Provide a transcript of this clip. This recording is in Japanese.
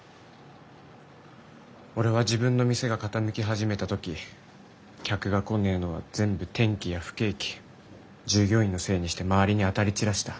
俺は自分の店が傾き始めた時客が来ねえのは全部天気や不景気従業員のせいにして周りに当たり散らした。